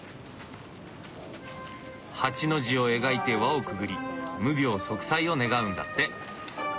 ８の字を描いて輪をくぐり無病息災を願うんだって。